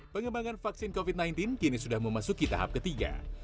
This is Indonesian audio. pengembangan vaksin covid sembilan belas kini sudah memasuki tahap ketiga